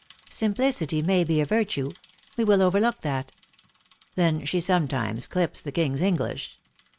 " Simplicity may be a virtue. We will overlook that." " Then she sometimes clips the king s English